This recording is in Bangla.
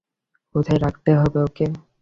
কোথায় রাখতে হবে ওকে?